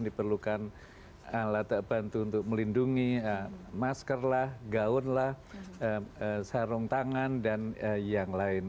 diperlukan alat bantu untuk melindungi maskerlah gaunlah sarung tangan dan yang lain